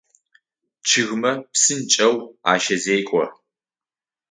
Чъыгмэ псынкӏэу ащэзекӏо.